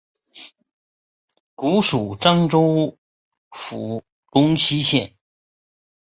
古属漳州府龙溪县。